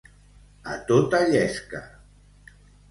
A tota llesca.